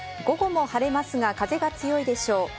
午後も晴れますが、風が強いでしょう。